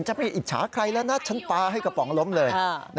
ในใจลงไปด้วย